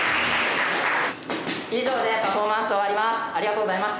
以上でパフォーマンスを終わります。